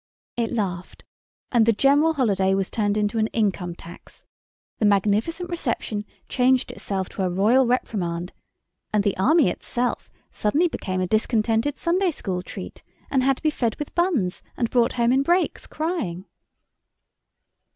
It laughed, and the general holiday was turned into an income tax; the magnificent reception changed itself to a royal reprimand, and the Army itself suddenly became a discontented Sunday school treat, and had to be fed with buns and brought home in brakes, crying.